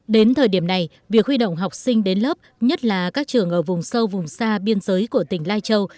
đến thời điểm này việc huy động học sinh đến lớp nhất là các trường ở vùng sâu vùng xa biên giới của tỉnh lai châu